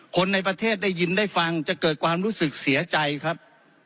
คนในประเทศได้ยินได้ฟังจะเกิดความรู้สึกเสียใจครับ